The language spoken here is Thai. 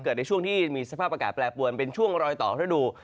ในช่วงที่มีสภาพอากาศแปรปวนเป็นช่วงรอยต่อฤดู